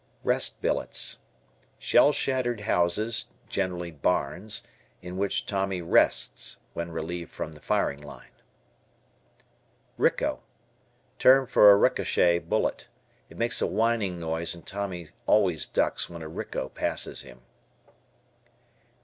Rest Billets. Shell shattered houses, generally barns, in which Tommy "rests," when relieved from the firing line. "Ricco." Term for a ricochet bullet. It makes a whining noise and Tommy always ducks when a "ricco" passes him.